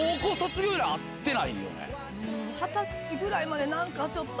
二十歳ぐらいまでちょっと。